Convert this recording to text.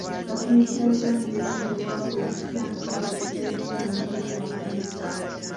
Gavumenti ya Uganda eronze omwaka ogujja nga olunaku lw'okutandika okuzimba.